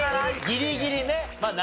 ギリギリねっ。